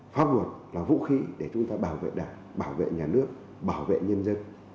pháp luật là vũ khí để chúng ta bảo vệ đảng bảo vệ nhà nước bảo vệ nhân dân